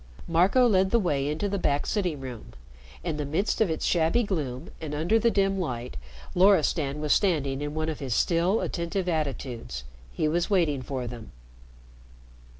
Marco led the way into the back sitting room. In the midst of its shabby gloom and under the dim light Loristan was standing in one of his still, attentive attitudes. He was waiting for them.